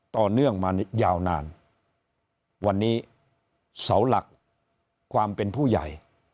ต่อเนื่องมายาวนานวันนี้เสาหลักความเป็นผู้ใหญ่